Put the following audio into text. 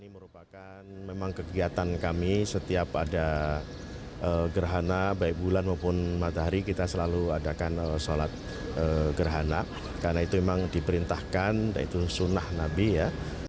ini merupakan memang kegiatan kami setiap ada gerhana baik bulan maupun matahari kita selalu adakan sholat gerhana karena itu memang diperintahkan yaitu sunnah nabi ya